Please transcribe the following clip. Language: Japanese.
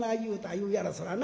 言うやろそらな。